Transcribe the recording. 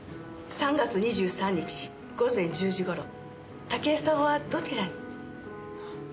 ３月２３日午前１０時頃武井さんはどちらに？